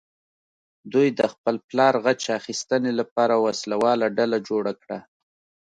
دوی د خپل پلار غچ اخیستنې لپاره وسله واله ډله جوړه کړه.